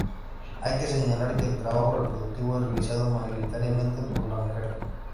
Hay que señalar que el trabajo reproductivo es realizado mayoritariamente por la mujer.